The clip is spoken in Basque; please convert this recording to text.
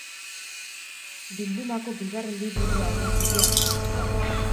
Bildumako bigarren liburua ere bidean da.